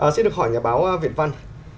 xin được hỏi nhà báo việt văn